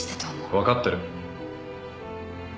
わかってる。